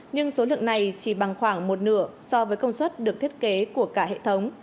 nhưng số lượng này chỉ bằng khoảng một nửa so với công suất được thiết kế của cả hệ thống